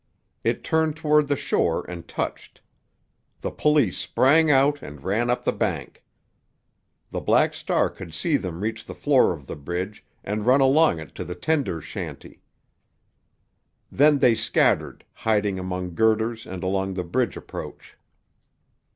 It turned toward the shore and touched. The police sprang out and ran up the bank. The Black Star could see them reach the floor of the bridge and run along it to the tender's shanty. Then they scattered, hiding among girders and along the bridge approach.